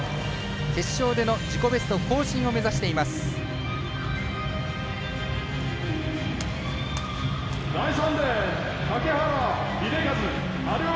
決勝での自己ベスト更新を目指しています、内藤。